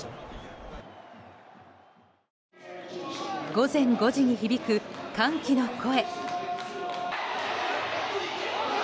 午前５時に響く歓喜の声。